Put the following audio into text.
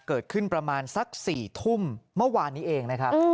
เกิดขึ้นประมาณสัก๔ทุ่มเมื่อวานนี้เองนะครับ